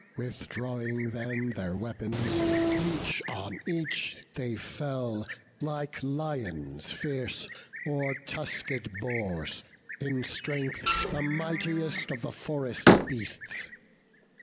Withdrawing then their weapons, each on each They fell, like lions fierce, or tusked boars, In strength the mightiest of the forest beasts.